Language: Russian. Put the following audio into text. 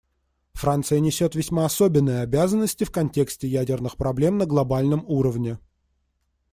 Франция несет весьма особенные обязанности в контексте ядерных проблем на глобальном уровне.